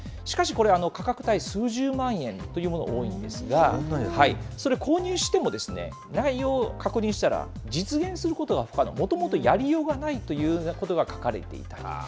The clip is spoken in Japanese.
しかしこれ、価格帯、数十万円というものが多いんですが、それ、購入しても、内容を確認したら、実現することが不可能、もともとやりようがないということが書かれていた。